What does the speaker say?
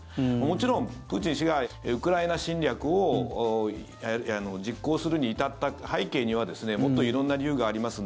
もちろんプーチン氏がウクライナ侵略を実行するに至った背景にはもっと色んな理由があります。